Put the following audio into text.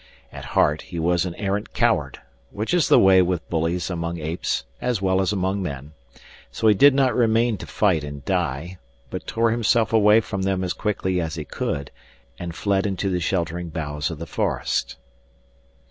At heart he was an arrant coward, which is the way with bullies among apes as well as among men; so he did not remain to fight and die, but tore himself away from them as quickly as he could and fled into the sheltering boughs of the forest.